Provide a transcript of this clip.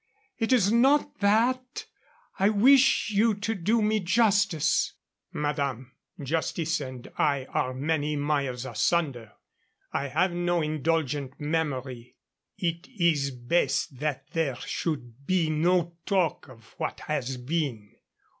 It is not that. I wish you to do me justice." "Madame, justice and I are many miles asunder. I have no indulgent memory. It is best that there should be no talk of what has been.